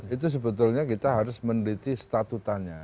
itu sebetulnya kita harus meneliti statutanya